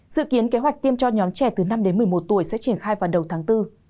dự kiến kế hoạch tiêm cho nhóm trẻ từ năm đến một mươi một tuổi sẽ triển khai vào đầu tháng bốn